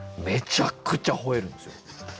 めちゃくちゃほえるんですよ。